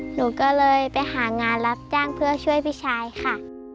หนูก็เลยไปหางานรับจ้างเพื่อช่วยพี่ชายค่ะ